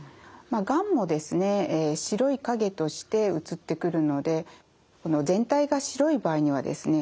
がんもですね白い影として写ってくるのでこの全体が白い場合にはですね